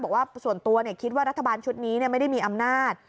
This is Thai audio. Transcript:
บอกว่าส่วนตัวคิดว่ารัฐบาลชุดนี้ไม่ได้มีอำนาจ